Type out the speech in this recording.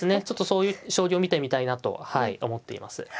ちょっとそういう将棋を見てみたいなと思っています。